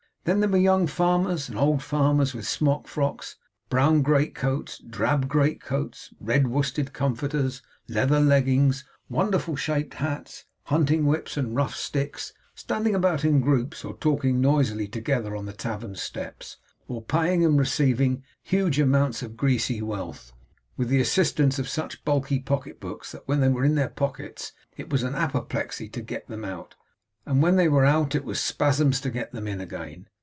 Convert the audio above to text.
Then there were young farmers and old farmers with smock frocks, brown great coats, drab great coats, red worsted comforters, leather leggings, wonderful shaped hats, hunting whips, and rough sticks, standing about in groups, or talking noisily together on the tavern steps, or paying and receiving huge amounts of greasy wealth, with the assistance of such bulky pocket books that when they were in their pockets it was apoplexy to get them out, and when they were out it was spasms to get them in again.